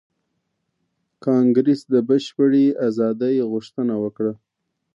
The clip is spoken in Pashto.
کانګریس د بشپړې ازادۍ غوښتنه وکړه.